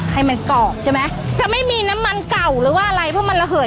ให้มันกรอบใช่ไหมจะไม่มีน้ำมันเก่าหรือว่าอะไรเพราะมันระเหย